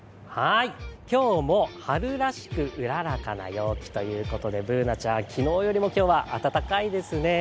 今日も春らしくうららかな陽気ということで、Ｂｏｏｎａちゃん、昨日より今日は暖かいですね。